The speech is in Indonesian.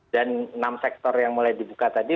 dan enam sektor yang mulai dibuka tadi